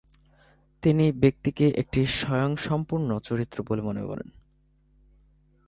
তিনি ব্যক্তিকে একটি স্বয়ংসম্পর্ণ চরিত্র বলে মনে করেন।